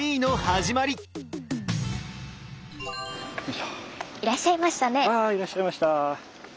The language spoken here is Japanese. ああいらっしゃいました。